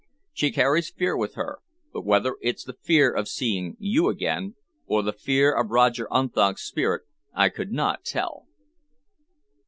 She carries fear with her, but whether it's the fear of seeing you again, or the fear of Roger Unthank's spirit, I could not tell."